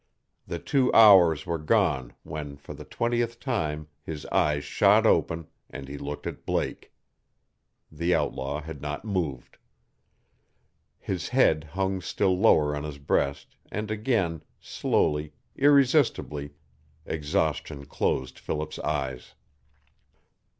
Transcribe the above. The two hours were gone when for the twentieth time his eyes shot open, and he looked at Blake. The outlaw had not moved. His head hung still lower on his breast, and again slowly irresistibly exhaustion closed Philip's eyes.